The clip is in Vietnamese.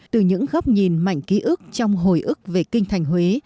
từ những góc nhìn mảnh ký ức trong hồi ức về kinh thành huế